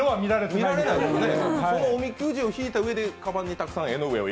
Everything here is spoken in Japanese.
そのおみくじを引いたうえで、かばんに江上を。